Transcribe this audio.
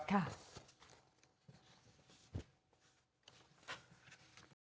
ค่ะ